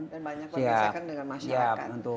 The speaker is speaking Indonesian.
dan banyak berbicara dengan masyarakat